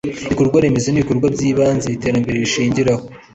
ibikorwaremezo ni ibikorwa by'ibanze iterambere rishingiraho